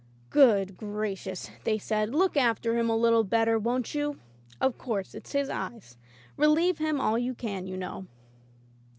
"Good gracious," they said, "look after him a little better, won't you ? Of course it's his eyes. Relieve him all you can, you know."